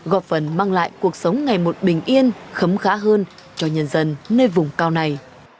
góp phần mang lại cuộc sống ngày một bình yên khấm khá hơn cho nhân dân nơi vùng cao này